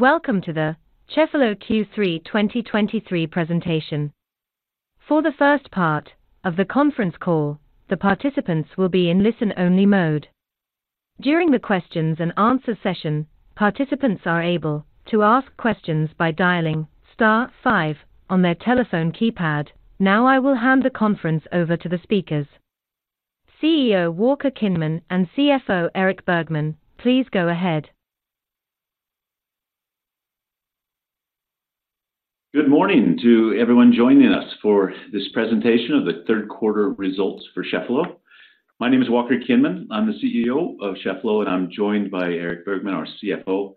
Welcome to the Cheffelo Q3 2023 presentation. For the first part of the conference call, the participants will be in listen-only mode. During the questions and answer session, participants are able to ask questions by dialing star five on their telephone keypad. Now I will hand the conference over to the speakers. CEO Walker Kinman; and CFO Erik Bergman, please go ahead. Good morning to everyone joining us for this presentation of the third quarter results for Cheffelo. My name is Walker Kinman. I'm the CEO of Cheffelo, and I'm joined by Erik Bergman, our CFO.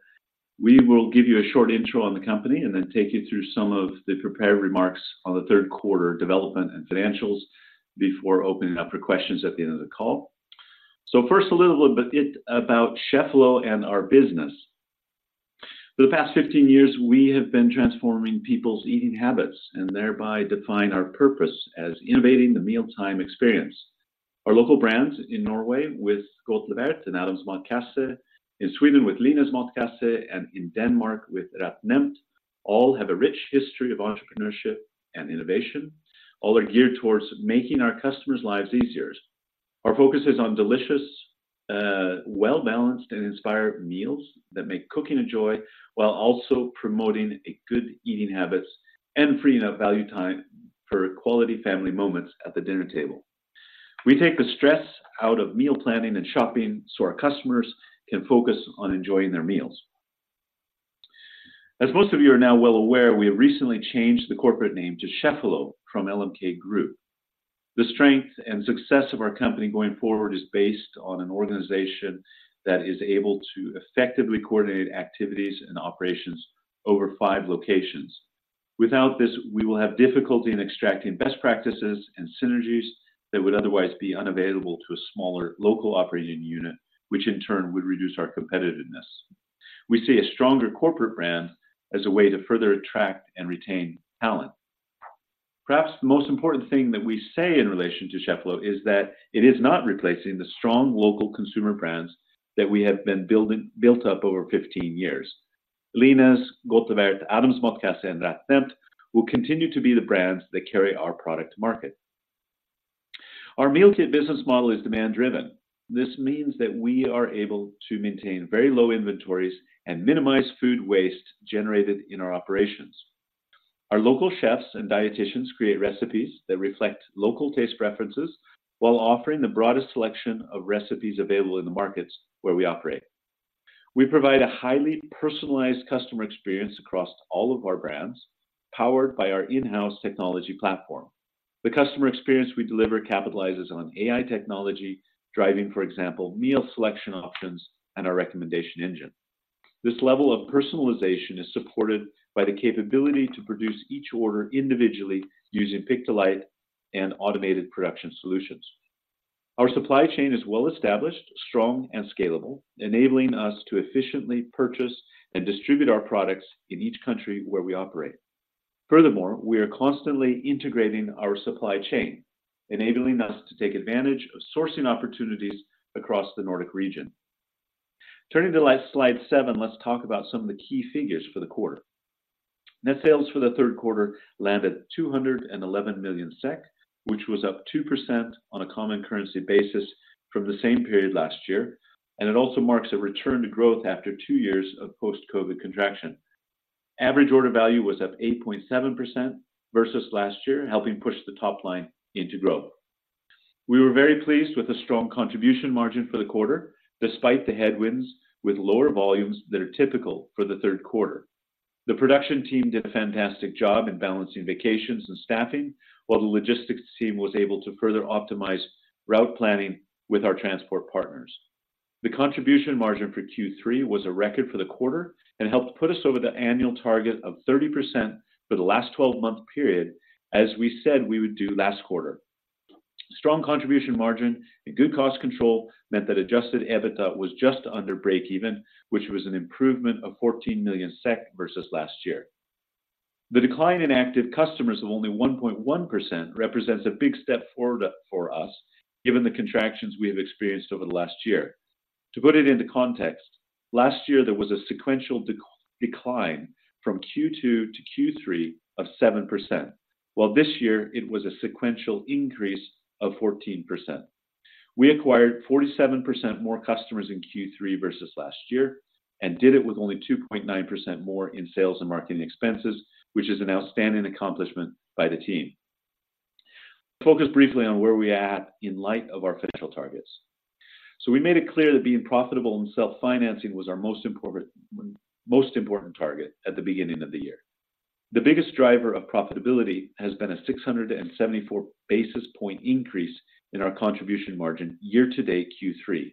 We will give you a short intro on the company and then take you through some of the prepared remarks on the third quarter development and financials before opening up for questions at the end of the call. So first, a little bit about Cheffelo and our business. For the past 15 years, we have been transforming people's eating habits and thereby define our purpose as innovating the mealtime experience. Our local brands in Norway with Godtlevert and Adams Matkasse, in Sweden with Linas Matkasse, and in Denmark with RetNemt, all have a rich history of entrepreneurship and innovation. All are geared towards making our customers' lives easier. Our focus is on delicious, well-balanced and inspired meals that make cooking a joy, while also promoting a good eating habits and freeing up value time for quality family moments at the dinner table. We take the stress out of meal planning and shopping so our customers can focus on enjoying their meals. As most of you are now well aware, we have recently changed the corporate name to Cheffelo from LMK Group. The strength and success of our company going forward is based on an organization that is able to effectively coordinate activities and operations over five locations. Without this, we will have difficulty in extracting best practices and synergies that would otherwise be unavailable to a smaller local operating unit, which in turn would reduce our competitiveness. We see a stronger corporate brand as a way to further attract and retain talent. Perhaps the most important thing that we say in relation to Cheffelo is that it is not replacing the strong local consumer brands that we have built up over 15 years. Linas, Godtlevert, Adams Matkasse, and RetNemt will continue to be the brands that carry our product to market. Our meal kit business model is demand-driven. This means that we are able to maintain very low inventories and minimize food waste generated in our operations. Our local chefs and dieticians create recipes that reflect local taste preferences while offering the broadest selection of recipes available in the markets where we operate. We provide a highly personalized customer experience across all of our brands, powered by our in-house technology platform. The customer experience we deliver capitalizes on AI technology, driving, for example, meal selection options and our recommendation engine. This level of personalization is supported by the capability to produce each order individually using pick-to-light and automated production solutions. Our supply chain is well established, strong, and scalable, enabling us to efficiently purchase and distribute our products in each country where we operate. Furthermore, we are constantly integrating our supply chain, enabling us to take advantage of sourcing opportunities across the Nordic region. Turning to slide seven, let's talk about some of the key figures for the quarter. Net sales for the third quarter landed 211 million SEK, which was up 2% on a common currency basis from the same period last year, and it also marks a return to growth after two years of post-COVID contraction. Average order value was up 8.7% versus last year, helping push the top line into growth. We were very pleased with the strong contribution margin for the quarter, despite the headwinds with lower volumes that are typical for the third quarter. The production team did a fantastic job in balancing vacations and staffing, while the logistics team was able to further optimize route planning with our transport partners. The contribution margin for Q3 was a record for the quarter and helped put us over the annual target of 30% for the last twelve-month period, as we said we would do last quarter. Strong contribution margin and good cost control meant that Adjusted EBITDA was just under breakeven, which was an improvement of 14 million SEK versus last year. The decline in active customers of only 1.1% represents a big step forward for us, given the contractions we have experienced over the last year. To put it into context, last year there was a sequential decline from Q2-Q3 of 7%, while this year it was a sequential increase of 14%. We acquired 47% more customers in Q3 versus last year and did it with only 2.9% more in sales and marketing expenses, which is an outstanding accomplishment by the team. Focus briefly on where we are at in light of our financial targets. We made it clear that being profitable and self-financing was our most important, most important target at the beginning of the year. The biggest driver of profitability has been a 674 basis point increase in our contribution margin year to date Q3.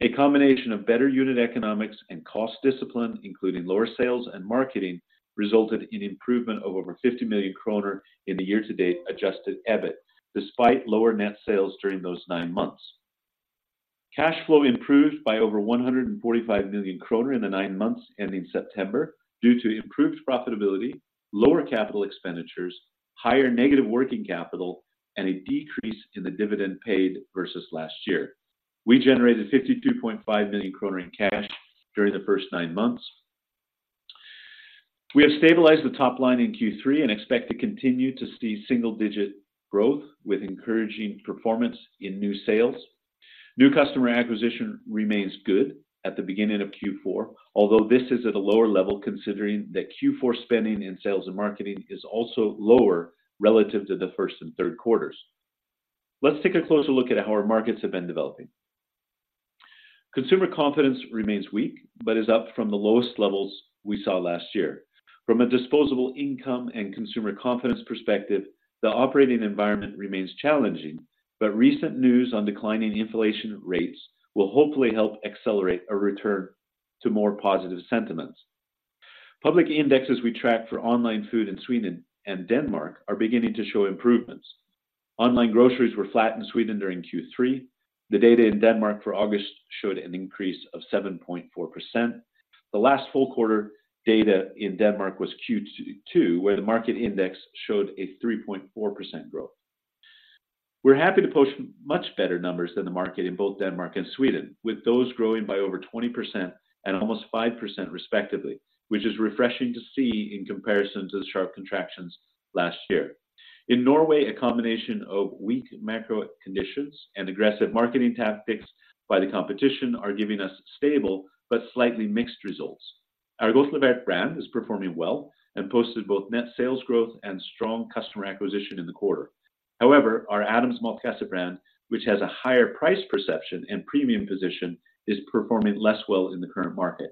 A combination of better unit economics and cost discipline, including lower sales and marketing, resulted in improvement of over 50 million kronor in the year-to-date adjusted EBIT, despite lower net sales during those nine months. Cash flow improved by over 145 million kronor in the nine months ending September due to improved profitability, lower capital expenditures, higher negative working capital, and a decrease in the dividend paid versus last year. We generated 52.5 million kronor in cash during the first nine months. We have stabilized the top line in Q3 and expect to continue to see single-digit growth, with encouraging performance in new sales. New customer acquisition remains good at the beginning of Q4, although this is at a lower level, considering that Q4 spending in sales and marketing is also lower relative to the first and third quarters. Let's take a closer look at how our markets have been developing. Consumer confidence remains weak, but is up from the lowest levels we saw last year. From a disposable income and consumer confidence perspective, the operating environment remains challenging, but recent news on declining inflation rates will hopefully help accelerate a return to more positive sentiments. Public indexes we track for online food in Sweden and Denmark are beginning to show improvements. Online groceries were flat in Sweden during Q3. The data in Denmark for August showed an increase of 7.4%. The last full quarter data in Denmark was Q2, where the market index showed a 3.4% growth. We're happy to post much better numbers than the market in both Denmark and Sweden, with those growing by over 20% and almost 5%, respectively, which is refreshing to see in comparison to the sharp contractions last year. In Norway, a combination of weak macro conditions and aggressive marketing tactics by the competition are giving us stable but slightly mixed results. Our Godtlevert brand is performing well and posted both net sales growth and strong customer acquisition in the quarter. However, our Adams Matkasse brand, which has a higher price perception and premium position, is performing less well in the current market.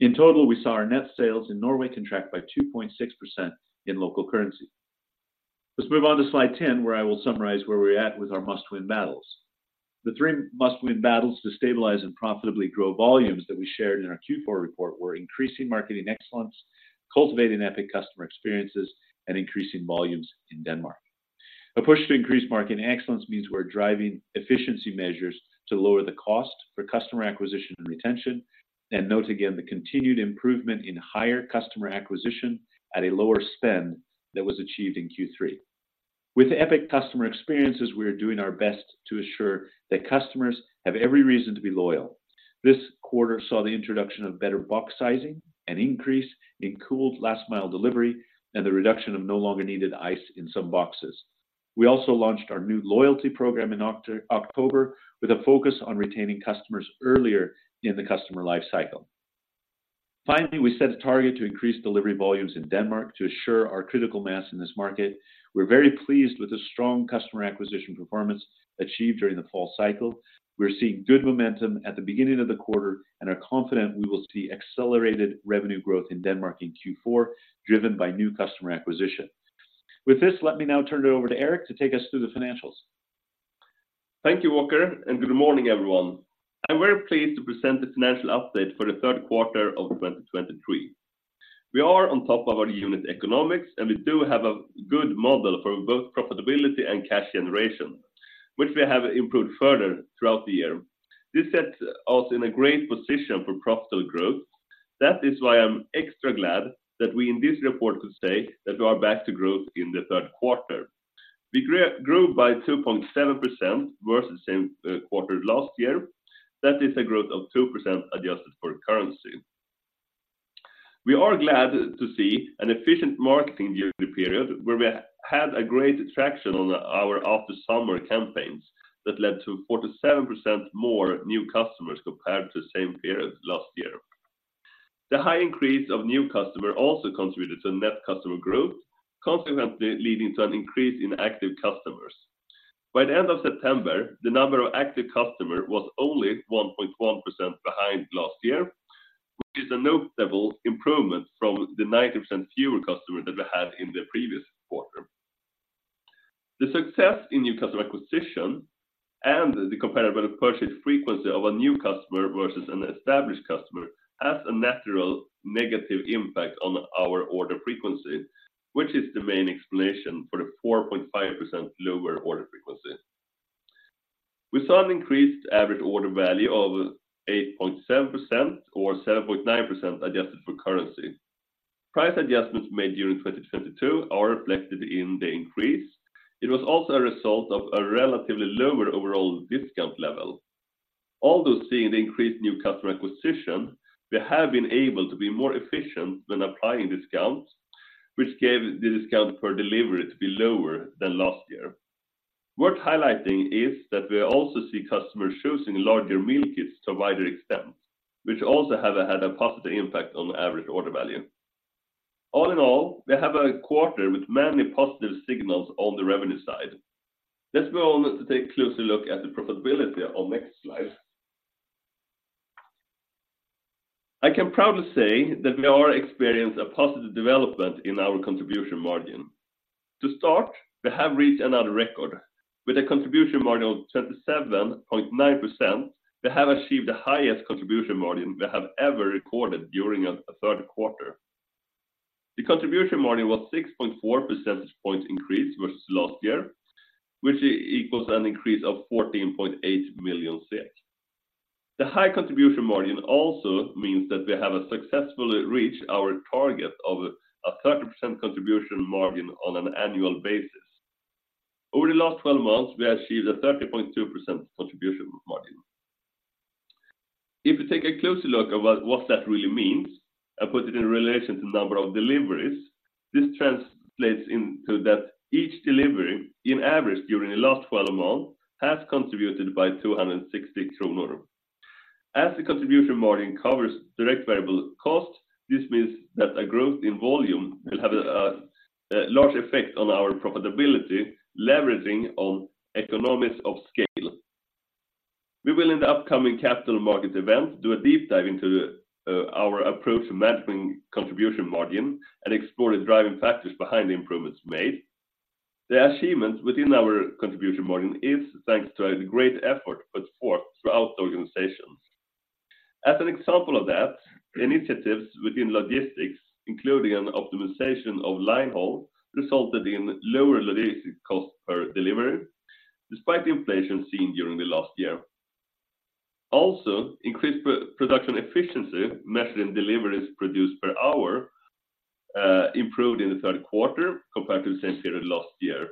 In total, we saw our net sales in Norway contract by 2.6% in local currency. Let's move on to slide 10, where I will summarize where we're at with our Must Win Battles. The three Must Win Battles to stabilize and profitably grow volumes that we shared in our Q4 report were increasing marketing excellence, cultivating epic customer experiences, and increasing volumes in Denmark. A push to increase marketing excellence means we're driving efficiency measures to lower the cost for customer acquisition and retention, and note again, the continued improvement in higher customer acquisition at a lower spend that was achieved in Q3. With epic customer experiences, we are doing our best to assure that customers have every reason to be loyal. This quarter saw the introduction of better box sizing and increase in cooled last mile delivery and the reduction of no longer needed ice in some boxes. We also launched our new loyalty program in October, with a focus on retaining customers earlier in the customer life cycle. Finally, we set a target to increase delivery volumes in Denmark to assure our critical mass in this market. We're very pleased with the strong customer acquisition performance achieved during the fall cycle. We're seeing good momentum at the beginning of the quarter and are confident we will see accelerated revenue growth in Denmark in Q4, driven by new customer acquisition. With this, let me now turn it over to Erik to take us through the financials. Thank you, Walker, and good morning, everyone. I'm very pleased to present this financial update for the third quarter of 2023. We are on top of our unit economics, and we do have a good model for both profitability and cash generation, which we have improved further throughout the year. This sets us in a great position for profitable growth. That is why I'm extra glad that we, in this report, could say that we are back to growth in the third quarter. We grew by 2.7% versus the same quarter last year. That is a growth of 2% adjusted for currency. We are glad to see an efficient marketing during the period where we had a great traction on our after summer campaigns that led to 47% more new customers compared to the same period last year. The high increase of new customers also contributed to net customer growth, consequently leading to an increase in active customers. By the end of September, the number of active customers was only 1.1% behind last year, which is a notable improvement from the 90% fewer customers that we had in the previous quarter. The success in new customer acquisition and the comparable purchase frequency of a new customer versus an established customer have a natural negative impact on our order frequency, which is the main explanation for the 4.5% lower order frequency. We saw an increased average order value of 8.7% or 7.9% adjusted for currency. Price adjustments made during 2022 are reflected in the increase. It was also a result of a relatively lower overall discount level. Although, seeing the increased new customer acquisition, we have been able to be more efficient when applying discounts, which gave the discount per delivery to be lower than last year. Worth highlighting is that we are also seeing customers choosing larger meal kits to a wider extent, which also have had a positive impact on the average order value. All in all, we have a quarter with many positive signals on the revenue side. Let's go on to take a closer look at the profitability on next slide. I can proudly say that we are experiencing a positive development in our contribution margin. To start, we have reached another record. With a contribution margin of 27.9%, we have achieved the highest contribution margin we have ever recorded during a third quarter. The contribution margin was 6.4 percentage points increase versus last year, which equals an increase of 14.8 million. The high contribution margin also means that we have successfully reached our target of a 30% contribution margin on an annual basis. Over the last twelve months, we have achieved a 30.2% contribution margin. If you take a closer look at what that really means and put it in relation to number of deliveries, this translates into that each delivery, on average during the last twelve months, has contributed by 260 kronor. As the contribution margin covers direct variable costs, this means that a growth in volume will have a large effect on our profitability, leveraging economies of scale. We will, in the upcoming capital market event, do a deep dive into our approach to managing contribution margin and explore the driving factors behind the improvements made. The achievement within our contribution margin is thanks to a great effort put forth throughout the organization. As an example of that, initiatives within logistics, including an optimization of line haul, resulted in lower logistic cost per delivery, despite the inflation seen during the last year. Also, increased production efficiency, measured in deliveries produced per hour, improved in the third quarter compared to the same period last year.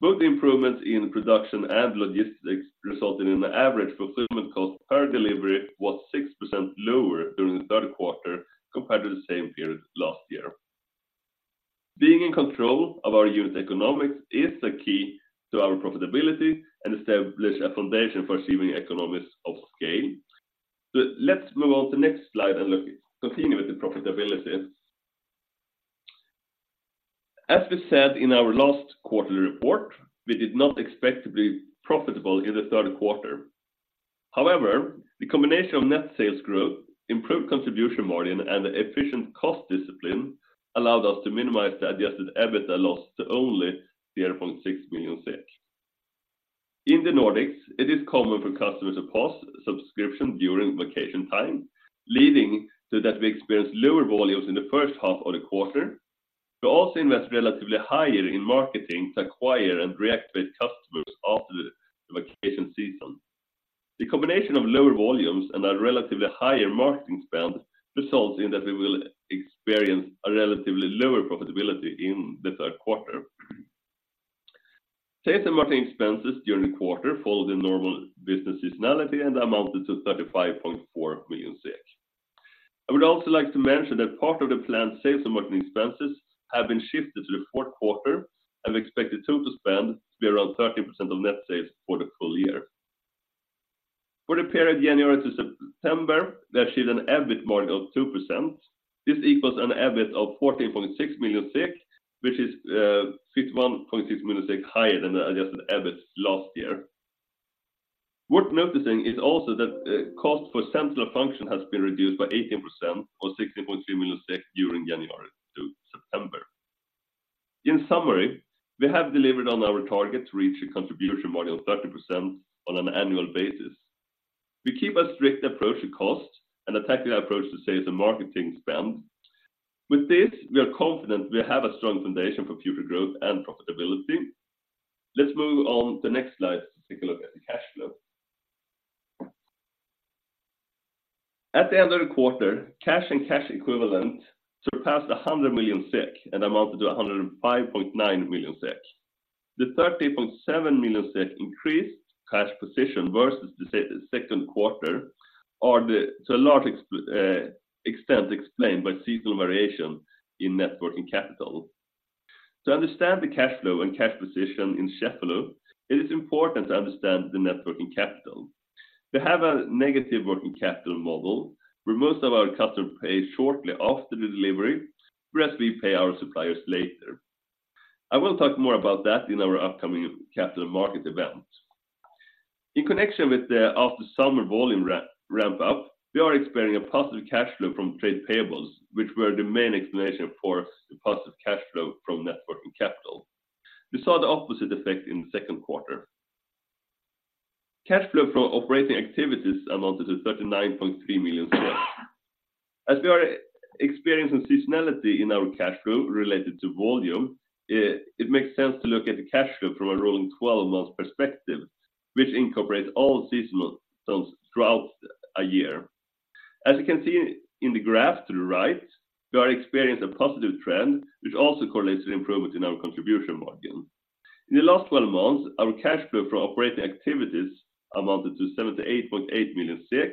Both improvements in production and logistics resulted in an average fulfillment cost per delivery was 6% lower during the third quarter compared to the same period last year. Being in control of our unit economics is the key to our profitability and establish a foundation for achieving economies of scale. So let's move on to the next slide and continue with the profitability. As we said in our last quarterly report, we did not expect to be profitable in the third quarter. However, the combination of net sales growth, improved contribution margin, and efficient cost discipline allowed us to minimize the Adjusted EBITDA loss to only 0.6 million. In the Nordics, it is common for customers to pause subscription during vacation time, leading to that we experience lower volumes in the first half of the quarter. We also invest relatively higher in marketing to acquire and reactivate customers after the vacation season. The combination of lower volumes and a relatively higher marketing spend results in that we will experience a relatively lower profitability in the third quarter. Sales and marketing expenses during the quarter followed the normal business seasonality and amounted to 35.4 million SEK. I would also like to mention that part of the planned sales and marketing expenses have been shifted to the fourth quarter, and we expect the total spend to be around 30% of net sales for the full year. For the period January to September, we achieved an EBIT margin of 2%. This equals an EBIT of 14.6 million, which is 51.6 million higher than the adjusted EBIT last year. Worth noticing is also that cost for central function has been reduced by 18% or 16.3 million during January to September. In summary, we have delivered on our target to reach a contribution margin of 30% on an annual basis. We keep a strict approach to cost and a tactical approach to sales and marketing spend. With this, we are confident we have a strong foundation for future growth and profitability. Let's move on the next slide to take a look at the cash flow. At the end of the quarter, cash and cash equivalents surpassed 100 million SEK and amounted to 105.9 million SEK. The 30.7 million SEK increased cash position versus the second quarter are to a large extent explained by seasonal variation in net working capital. To understand the cash flow and cash position in Cheffelo, it is important to understand the net working capital. We have a negative working capital model, where most of our customers pay shortly after the delivery, whereas we pay our suppliers later. I will talk more about that in our upcoming capital market event. In connection with the after summer volume ramp up, we are experiencing a positive cash flow from trade payables, which were the main explanation for the positive cash flow from net working capital. We saw the opposite effect in the second quarter. Cash flow from operating activities amounted to 39.3 million. As we are experiencing seasonality in our cash flow related to volume, it makes sense to look at the cash flow from a rolling 12-month perspective, which incorporates all seasonal trends throughout a year. As you can see in the graph to the right, we are experiencing a positive trend, which also correlates to the improvement in our contribution margin. In the last 12 months, our cash flow from operating activities amounted to 78.8 million SEK.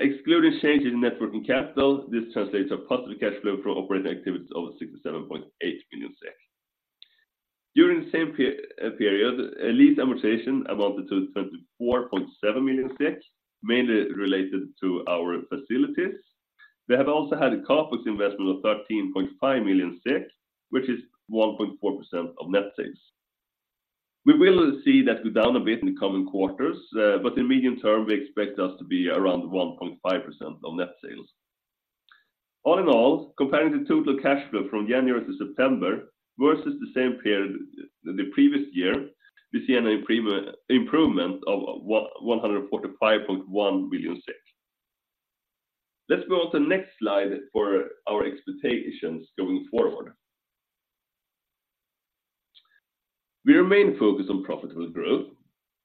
Excluding changes in net working capital, this translates to a positive cash flow from operating activities of 67.8 million SEK. During the same period, lease amortization amounted to 24.7 million SEK, mainly related to our facilities. We have also had a CapEx investment of 13.5 million, which is 1.4% of net sales. We will see that go down a bit in the coming quarters, but in medium term, we expect us to be around 1.5% of net sales. All in all, comparing the total cash flow from January to September versus the same period the previous year, we see an improvement of 145.1 million. Let's go to the next slide for our expectations going forward we remain focused on profitable growth.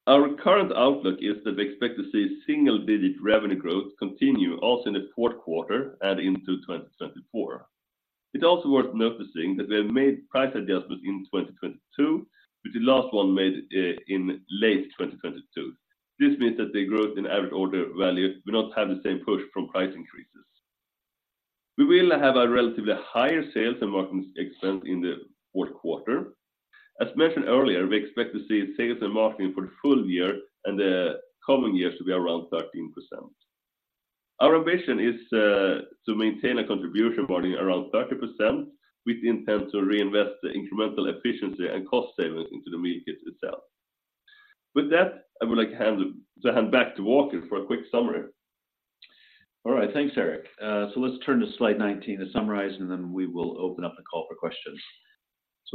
Our current outlook is that we expect to see single-digit revenue growth continue also in the fourth quarter and into 2024. It's also worth noticing that we have made price adjustments in 2022, with the last one made in late 2022. This means that the growth in average order value will not have the same push from price increases. We will have a relatively higher sales and marketing expense in the fourth quarter. As mentioned earlier, we expect to see sales and marketing for the full year and the coming years to be around 13%. Our ambition is to maintain a contribution margin around 30%, with the intent to reinvest the incremental efficiency and cost savings into the meal kit itself. With that, I would like to hand back to Walker for a quick summary. All right, thanks, Erik. So let's turn to slide 19 to summarize, and then we will open up the call for questions.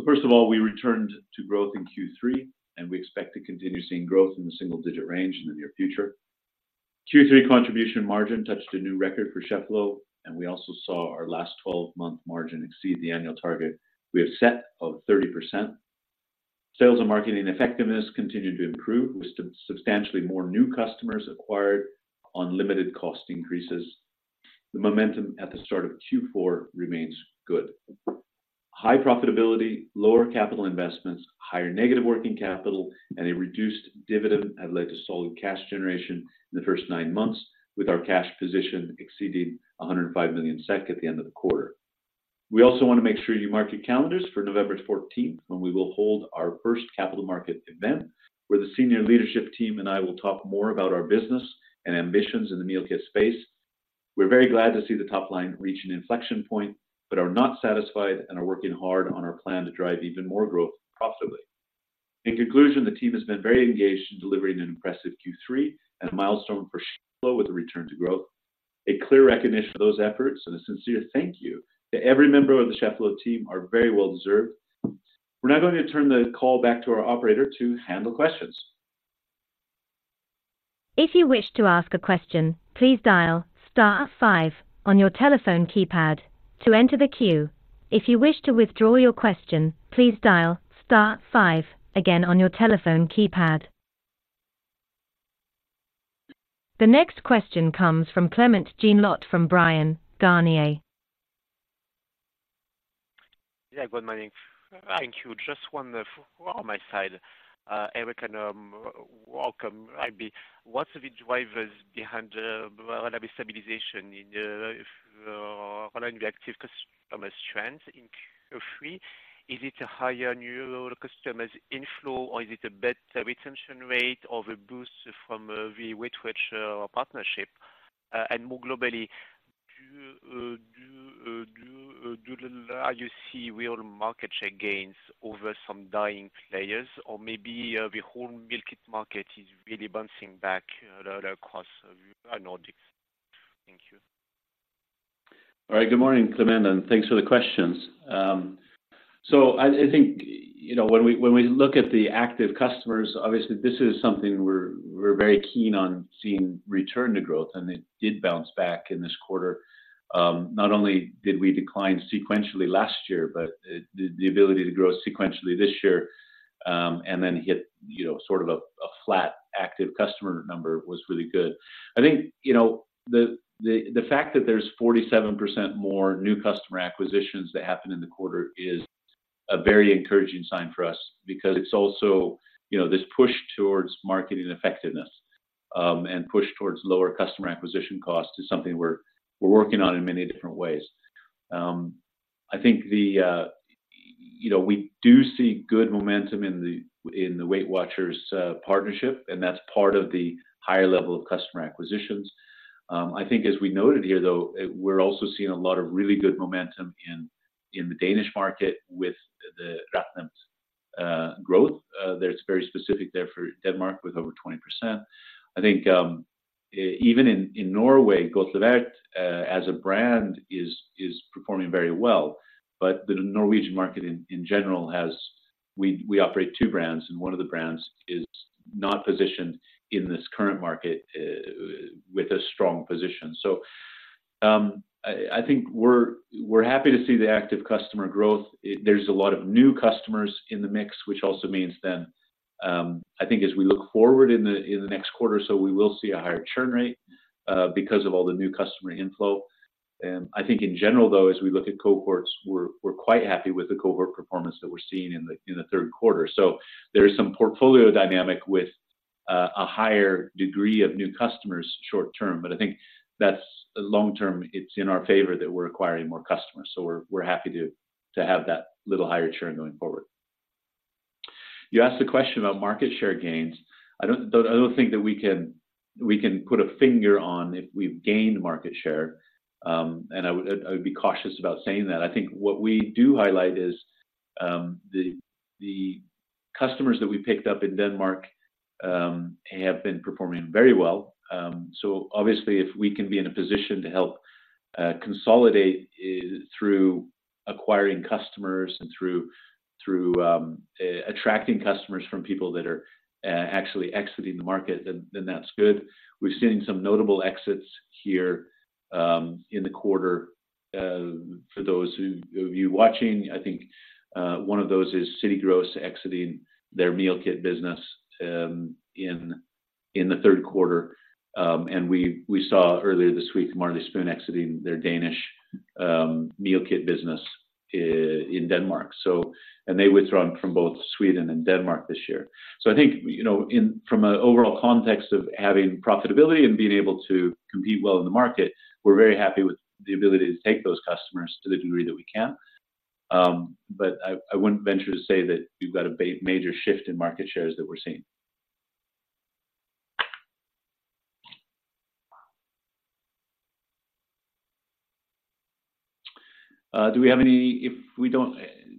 First of all, we returned to growth in Q3, and we expect to continue seeing growth in the single-digit range in the near future. Q3 contribution margin touched a new record for Cheffelo, and we also saw our last 12-month margin exceed the annual target we have set of 30%. Sales and marketing effectiveness continued to improve, with substantially more new customers acquired on limited cost increases. The momentum at the start of Q4 remains good. High profitability, lower capital investments, higher negative working capital, and a reduced dividend have led to solid cash generation in the first nine months, with our cash position exceeding 105 million SEK at the end of the quarter. We also want to make sure you mark your calendars for November fourteenth, when we will hold our first capital market event, where the senior leadership team and I will talk more about our business and ambitions in the meal kit space. We're very glad to see the top line reach an inflection point, but are not satisfied and are working hard on our plan to drive even more growth profitably. In conclusion, the team has been very engaged in delivering an impressive Q3 and a milestone for Cheffelo with a return to growth. A clear recognition of those efforts, and a sincere thank you to every member of the Cheffelo team are very well deserved. We're now going to turn the call back to our operator to handle questions. If you wish to ask a question, please dial star five on your telephone keypad to enter the queue. If you wish to withdraw your question, please dial star five again on your telephone keypad. The next question comes from Clément Genelot from Bryan, Garnier. Yeah, good morning. Thank you. Just wonder from my side, Erik and, welcome, maybe what are the drivers behind, the stabilization in the, the online active customer trends in Q3? Is it a higher new customer's inflow, or is it a better retention rate, or a boost from, the WeightWatchers, partnership? And more globally, do you see real market share gains over some dying players, or maybe, the whole meal kit market is really bouncing back, across Nordics? Thank you. All right. Good morning, Clément, and thanks for the questions. So I think, you know, when we look at the active customers, obviously this is something we're very keen on seeing return to growth, and it did bounce back in this quarter. Not only did we decline sequentially last year, but the ability to grow sequentially this year, and then hit, you know, sort of a flat active customer number was really good. I think, you know, the fact that there's 47% more new customer acquisitions that happened in the quarter is a very encouraging sign for us because it's also, you know, this push towards marketing effectiveness, and push towards lower customer acquisition cost is something we're working on in many different ways. I think, you know, we do see good momentum in the WeightWatchers partnership, and that's part of the higher level of customer acquisitions. I think as we noted here, though, we're also seeing a lot of really good momentum in the Danish market with the RetNemt growth. That's very specific there for Denmark, with over 20%. I think, even in Norway, Godtlevert as a brand is performing very well, but the Norwegian market in general has, we operate two brands, and one of the brands is not positioned in this current market with a strong position. So, I think we're happy to see the active customer growth. There's a lot of new customers in the mix, which also means then, I think as we look forward in the next quarter or so, we will see a higher churn rate, because of all the new customer inflow. I think in general, though, as we look at cohorts, we're quite happy with the cohort performance that we're seeing in the third quarter. So there is some portfolio dynamic with a higher degree of new customers short term, but I think that's long term, it's in our favor that we're acquiring more customers, so we're happy to have that little higher churn going forward. You asked a question about market share gains. I don't think that we can put a finger on if we've gained market share, and I would be cautious about saying that. I think what we do highlight is the customers that we picked up in Denmark have been performing very well. So obviously, if we can be in a position to help consolidate through acquiring customers and through attracting customers from people that are actually exiting the market, then that's good. We're seeing some notable exits here in the quarter. For those of you watching, I think one of those is City Gross exiting their meal kit business in the third quarter. And we saw earlier this week, Marley Spoon exiting their Danish meal kit business in Denmark. They withdrew from both Sweden and Denmark this year. So I think, you know, from an overall context of having profitability and being able to compete well in the market, we're very happy with the ability to take those customers to the degree that we can. But I wouldn't venture to say that we've got a major shift in market shares that we're seeing. Do we have any? If we don't,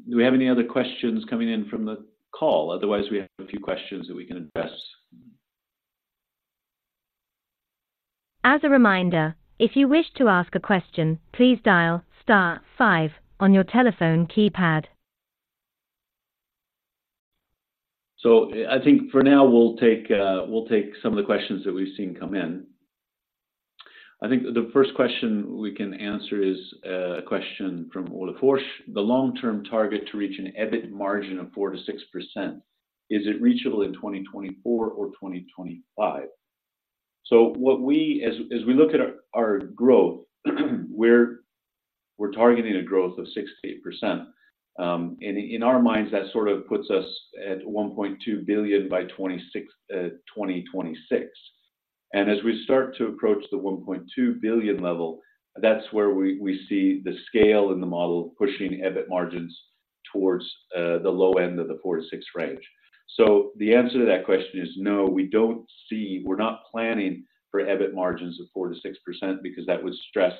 do we have any other questions coming in from the call? Otherwise, we have a few questions that we can address. As a reminder, if you wish to ask a question, please dial star five on your telephone keypad. So I think for now, we'll take some of the questions that we've seen come in. I think the first question we can answer is a question from Ole Forsch. The long-term target to reach an EBIT margin of 4%-6%, is it reachable in 2024 or 2025? So what we as we look at our growth, we're targeting a growth of 6%-8%. And in our minds, that sort of puts us at 1.2 billion by 2026. And as we start to approach the 1.2 billion level, that's where we see the scale in the model pushing EBIT margins towards the low end of the 4%-6% range. The answer to that question is no, we don't see—we're not planning for EBIT margins of 4%-6% because that would stress,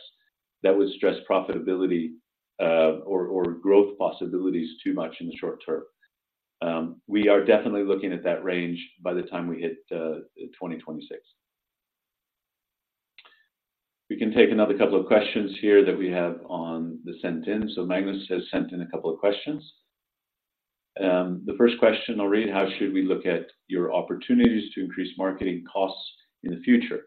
that would stress profitability or growth possibilities too much in the short term. We are definitely looking at that range by the time we hit 2026. We can take another couple of questions here that we have on the sent in. Magnus has sent in a couple of questions. The first question I'll read: How should we look at your opportunities to increase marketing costs in the future?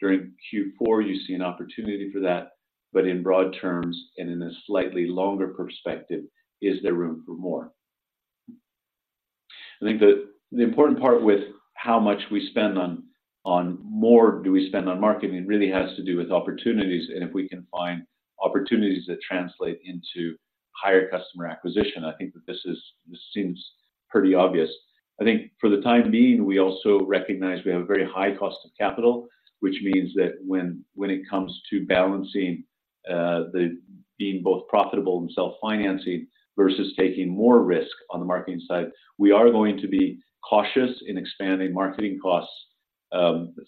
During Q4, you see an opportunity for that, but in broad terms and in a slightly longer perspective, is there room for more? I think the important part with how much we spend on, how much more do we spend on marketing, really has to do with opportunities, and if we can find opportunities that translate into higher customer acquisition. I think that this seems pretty obvious. I think for the time being, we also recognize we have a very high cost of capital, which means that when it comes to balancing the being both profitable and self-financing versus taking more risk on the marketing side, we are going to be cautious in expanding marketing costs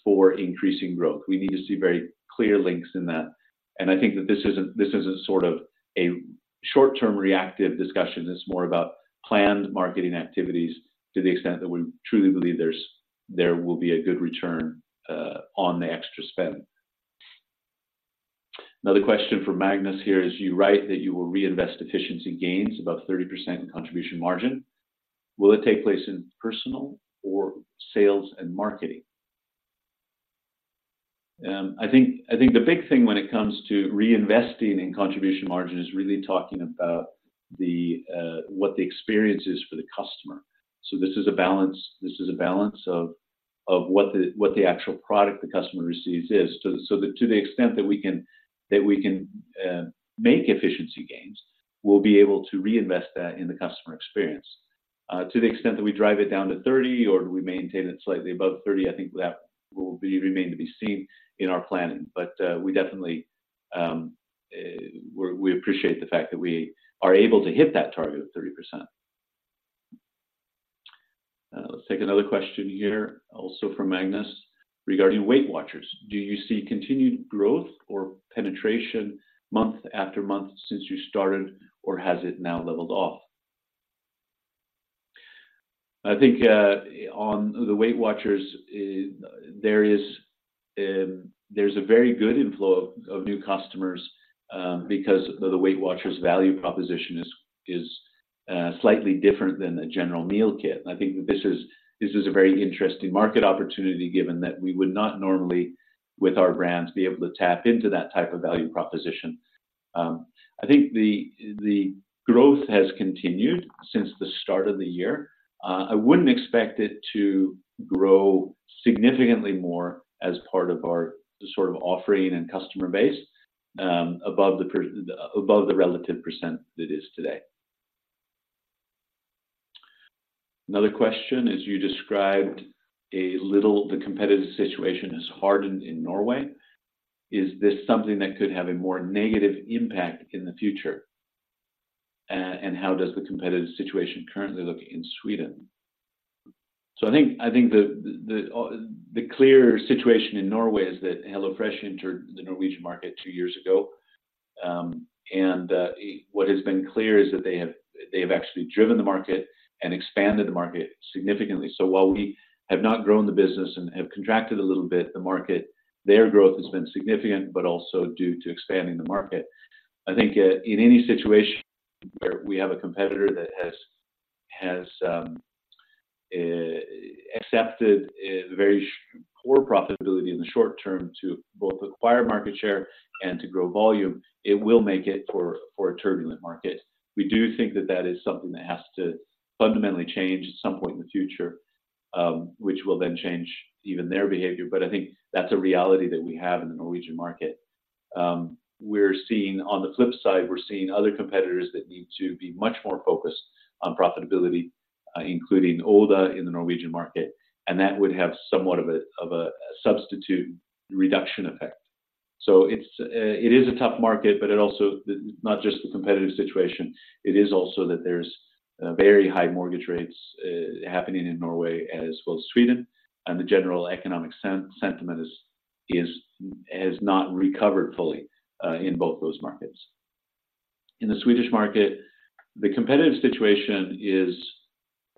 for increasing growth. We need to see very clear links in that. I think that this isn't sort of a short-term reactive discussion. It's more about planned marketing activities to the extent that we truly believe there will be a good return on the extra spend. Another question from Magnus here is: You write that you will reinvest efficiency gains, about 30% contribution margin. Will it take place in personal or sales and marketing? I think, I think the big thing when it comes to reinvesting in contribution margin is really talking about the, what the experience is for the customer. So this is a balance, this is a balance of, of what the, what the actual product the customer receives is. So, so to the extent that we can, that we can, make efficiency gains, we'll be able to reinvest that in the customer experience. To the extent that we drive it down to 30 or we maintain it slightly above 30, I think that will remain to be seen in our planning. But we definitely appreciate the fact that we are able to hit that target of 30%. Let's take another question here, also from Magnus. Regarding WeightWatchers, do you see continued growth or penetration month after month since you started, or has it now leveled off? I think on the WeightWatchers there is there's a very good inflow of new customers because the WeightWatchers value proposition is slightly different than a general meal kit. And I think that this is a very interesting market opportunity, given that we would not normally, with our brands, be able to tap into that type of value proposition. I think the growth has continued since the start of the year. I wouldn't expect it to grow significantly more as part of our sort of offering and customer base, above the relative percent that it is today. Another question is, you described a little the competitive situation has hardened in Norway. Is this something that could have a more negative impact in the future? And how does the competitive situation currently look in Sweden? So I think the clear situation in Norway is that HelloFresh entered the Norwegian market two years ago. And what has been clear is that they have actually driven the market and expanded the market significantly. So while we have not grown the business and have contracted a little bit, the market, their growth has been significant, but also due to expanding the market. I think in any situation where we have a competitor that has accepted a very poor profitability in the short term to both acquire market share and to grow volume, it will make it for a turbulent market. We do think that that is something that has to fundamentally change at some point in the future, which will then change even their behavior, but I think that's a reality that we have in the Norwegian market. We're seeing on the flip side, we're seeing other competitors that need to be much more focused on profitability, including Oda in the Norwegian market, and that would have somewhat of a substitute reduction effect. So it's a tough market, but also not just the competitive situation, it is also that there's very high mortgage rates happening in Norway as well as Sweden, and the general economic sentiment has not recovered fully in both those markets. In the Swedish market, the competitive situation is,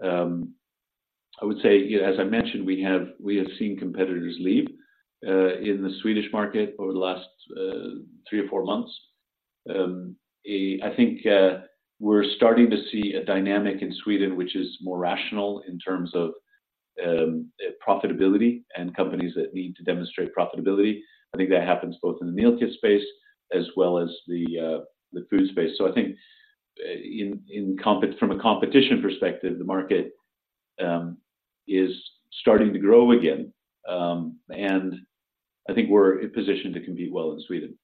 I would say, as I mentioned, we have seen competitors leave in the Swedish market over the last three or four months. I think we're starting to see a dynamic in Sweden, which is more rational in terms of profitability and companies that need to demonstrate profitability. I think that happens both in the meal kit space as well as the food space. So I think, from a competition perspective, the market is starting to grow again, and I think we're in position to compete well in Sweden.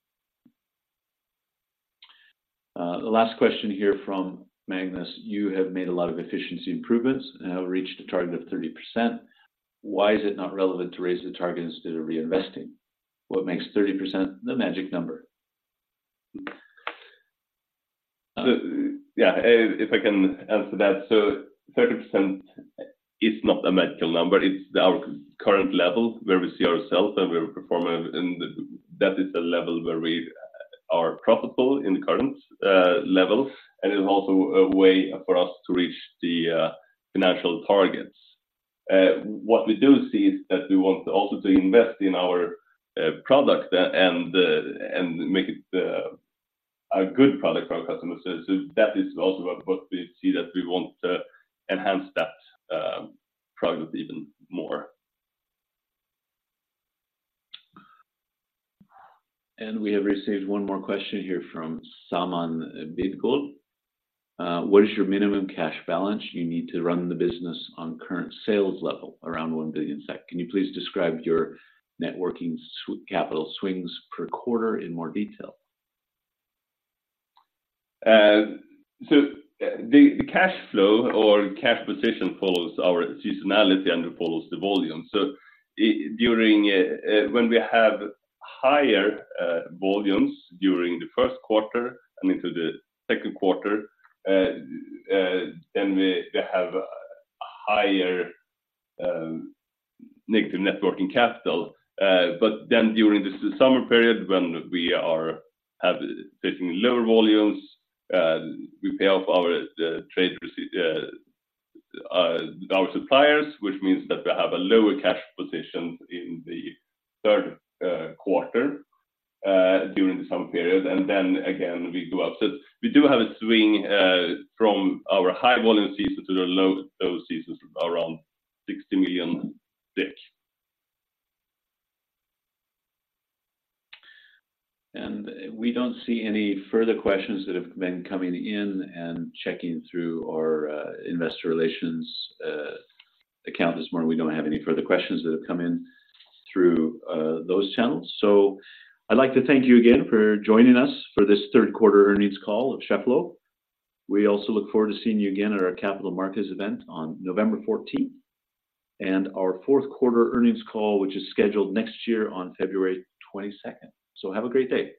The last question here from Magnus: You have made a lot of efficiency improvements and have reached a target of 30%. Why is it not relevant to raise the target instead of reinvesting? What makes 30% the magic number? So yeah, if I can answer that. So 30% is not a magical number, it's our current level where we see ourselves and we are performing, and that is a level where we are profitable in the current level, and it is also a way for us to reach the financial targets. What we do see is that we want also to invest in our product and and make it a good product for our customers. So, so that is also what we see, that we want to enhance that product even more. We have received one more question here from Saman Bidgol. What is your minimum cash balance you need to run the business on current sales level around 1 billion SEK? Can you please describe your net working capital swings per quarter in more detail? So the cash flow or cash position follows our seasonality and follows the volume. So during when we have higher volumes during the first quarter and into the second quarter, then we have a higher negative net working capital. But then during the summer period, when we have lower volumes, we pay off our trade payables to our suppliers, which means that we have a lower cash position in the third quarter during the summer period, and then again, we go up. So we do have a swing from our high volume season to the low seasons, around SEK 60 million. We don't see any further questions that have been coming in and checking through our investor relations account this morning. We don't have any further questions that have come in through those channels. So I'd like to thank you again for joining us for this third quarter earnings call at Cheffelo. We also look forward to seeing you again at our Capital Markets event on November fourteenth, and our fourth quarter earnings call, which is scheduled next year on February 22nd. So have a great day!